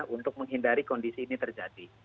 untuk menghindari kondisi ini terjadi